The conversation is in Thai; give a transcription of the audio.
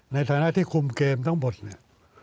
ในฐานะที่คุมเกมทั้งหมดเนี่ย